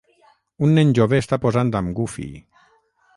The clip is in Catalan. Un nen jove està posant amb Goofy